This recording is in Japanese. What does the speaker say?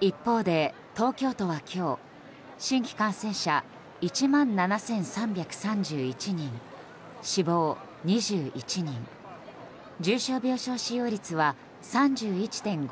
一方で、東京都は今日新規感染者１万７３３１人死亡、２１人重症病床使用率は３１．５％。